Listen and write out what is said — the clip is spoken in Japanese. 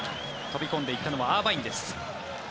飛び込んでいったのはアーバインです。